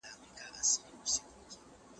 که سلا واورېدل شي ستونزې به حل شي.